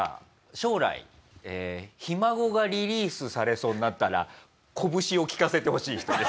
将来『ひ孫』がリリースされそうになったらこぶしをきかせてほしい人です。